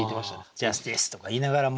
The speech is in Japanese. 「ジャスティス！」とか言いながらも。